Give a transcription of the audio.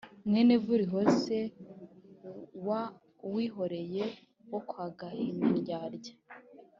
mwene vurihoze wa uwihoreye wo kwa gahimandyadya